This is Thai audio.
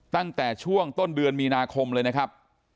ตั้งแต่ช่วงต้นเดือนมีนาคมเลยนะครับ